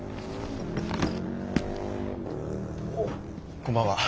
こんばんは。